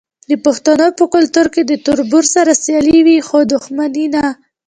د پښتنو په کلتور کې د تربور سره سیالي وي خو دښمني نه.